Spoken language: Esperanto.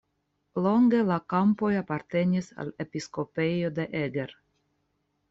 Longe la kampoj apartenis al episkopejo de Eger.